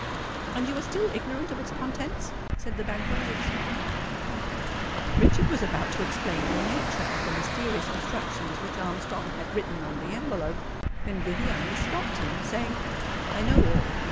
"And you are still ignorant of its contents?" said the banker, with a smile. Richard was about to explain the nature of the mysterious instructions which Armstrong had written on the envelope, when Viviani stopped him, saying, "I know all.